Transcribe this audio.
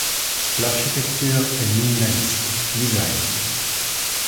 L'architecture est minimaliste, design.